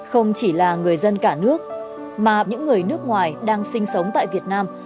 không chỉ là người dân cả nước mà những người nước ngoài đang sinh sống tại việt nam